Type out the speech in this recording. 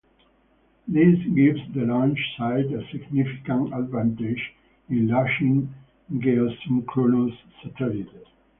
This gives the launch site a significant advantage in launching geosynchronous satellites.